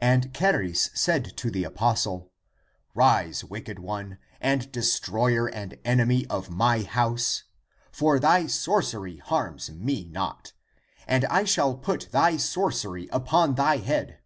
And Charis said to the apostle, " Rise, wicked one and destroyer and enemy of my house, for thy sorcery harms me not; and I shall put thy sorcery upon thy head."